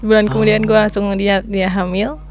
sebulan kemudian gue langsung lihat dia hamil